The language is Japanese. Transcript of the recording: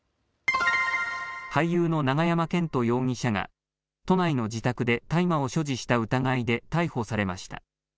俳優の永山絢斗容疑者が都内の自宅で大麻を所持した疑いで逮捕されました。